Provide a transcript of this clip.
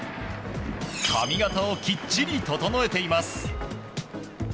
髪形をきっちり整えています。